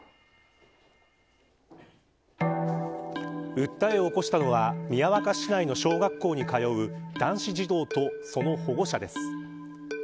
訴えを起こしたのは宮若市内の小学校に通う男子児童とその保護者です。